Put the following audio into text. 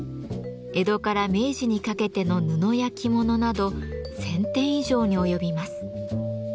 江戸から明治にかけての布や着物など１，０００点以上に及びます。